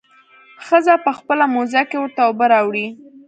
ښځه په خپله موزه کښې ورته اوبه راوړي.